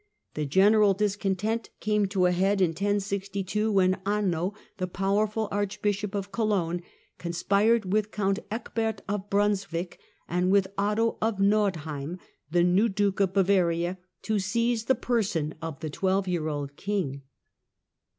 The general discontent came to a head in 1062, when Anno, the powerful archbishop of Cologne, con spired with Count Ekbert of Brunswick and with Otto of Nordheim, the new duke of Bavaria, to seize the person of the twelve year old king.